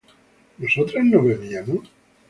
¿nosotras no bebíamos?